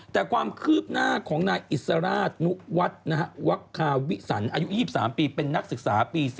แต่ความคืบหน้าของนายอิสราชนุวัฒน์วักคาวิสันอายุ๒๓ปีเป็นนักศึกษาปี๔